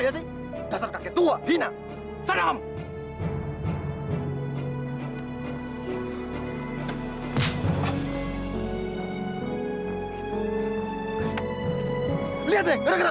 jauhkanlah dia dari bahaya ya allah